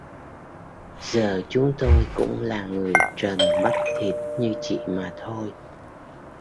giờ chúng tôi cũng là người trần mắt thịt như chị mà thôi